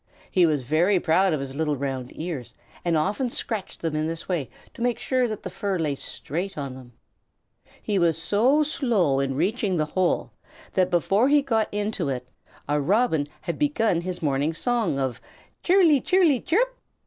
He was very proud of his little round ears, and often scratched them in this way to make sure that the fur lay straight on them. He was so slow in reaching the hole that before he got into it a Robin had begun his morning song of "Cheerily, cheerily, cheerup!"